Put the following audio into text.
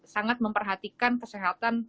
sangat memperhatikan kesehatan